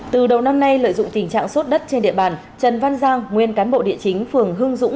từ đầu năm nay lợi dụng tình trạng sốt đất trên địa bàn trần văn giang nguyên cán bộ địa chính phường hương dũng